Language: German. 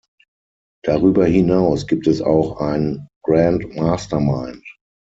Darüber hinaus gibt es auch ein „Grand Mastermind“.